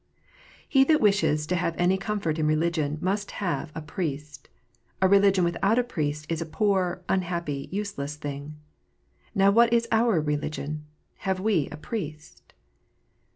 HE that wishes to have any comfort in religion must have a priest. A religion without a priest is a poor, unhappy, useless thing. Now what is our religion 1 Have we a Priest